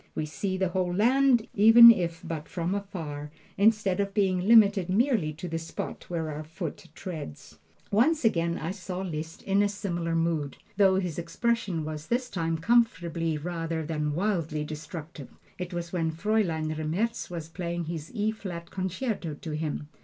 We see the whole land, even if but from afar, instead of being limited merely to the spot where our foot treads. Once again I saw Liszt in a similar mood, though his expression was this time comfortably rather than wildly destructive. It was when Fraulein Remmertz was playing his "E flat concerto" to him.